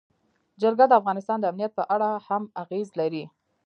جلګه د افغانستان د امنیت په اړه هم اغېز لري.